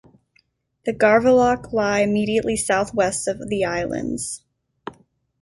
The Garvellachs lie immediately southwest of the islands.